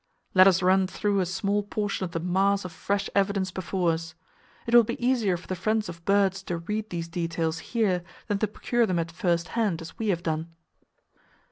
Let us run through a small portion of the mass of fresh evidence before us. It will be easier for the friends of birds to read these details here than to procure them at first hand, as we have done.